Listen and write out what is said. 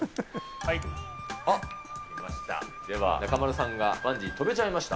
では、中丸さんがバンジー飛べちゃいました。